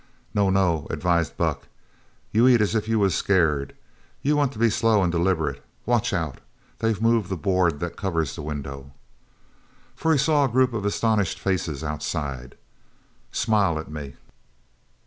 "No! no!" advised Buck. "You eat as if you was scared. You want to be slow an' deliberate. Watch out! They've moved the board that covers the window!" For he saw a group of astonished faces outside. "Smile at me!"